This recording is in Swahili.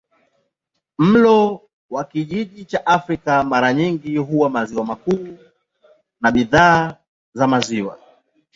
Mlo wa kijiji cha Afrika mara nyingi huwa maziwa na bidhaa za maziwa.